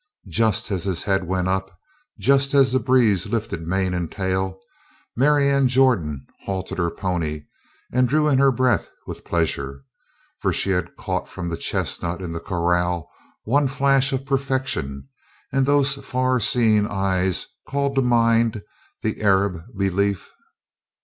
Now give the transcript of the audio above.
Just as his head went up, just as the breeze lifted mane and tail, Marianne Jordan halted her pony and drew in her breath with pleasure. For she had caught from the chestnut in the corral one flash of perfection and those far seeing eyes called to mind the Arab belief.